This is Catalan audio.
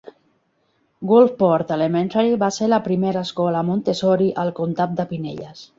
Gulfport Elementary va ser la primera escola Montessori al comtat de Pinellas.